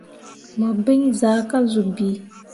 Mu biŋ zaa ka zuu bii.